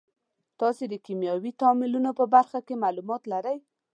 تاسې د کیمیاوي تعاملونو په برخه کې معلومات لرئ.